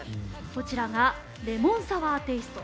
こちらがレモンサワーテイスト。